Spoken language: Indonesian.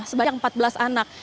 sebanyak empat belas anak